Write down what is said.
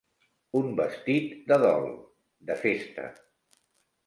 Un vestit de dol, de festa.